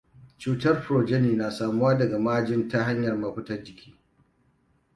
cutar progeny na samuwa daga maajin ta hanyar mafitar jiki.